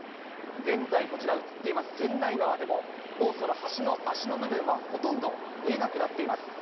現在、こちら映っています川内川でも、もうその橋の脚の部分はほとんど見えなくなっています。